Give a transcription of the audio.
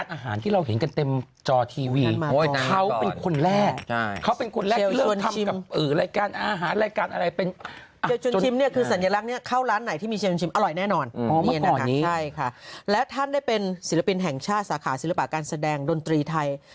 ถ้าซักครอบครัวจะพูดจริงแรการอาหารที่เราเห็นกันเต็มจอทีวี